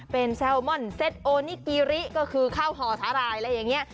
เป็นแซลมอนเซ็ตโอนิกีริก็คือข้าวห่อสาหร่ายอะไรอย่างนี้